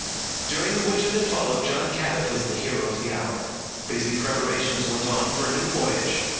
During the winter that followed, John Cabot was the hero of the hour. Busy preparations went on for a new voyage.